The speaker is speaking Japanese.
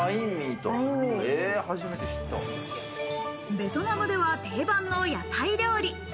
ベトナムでは定番の屋台料理。